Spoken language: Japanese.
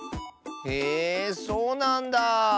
えそうなんだ。